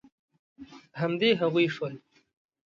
همدې هغوی شول.